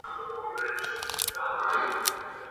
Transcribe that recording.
لدغه مبارک آيت څخه دا معلوميږي.